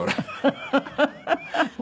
ハハハハ。